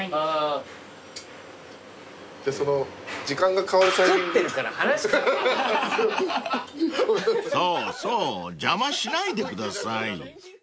［そうそう邪魔しないでください］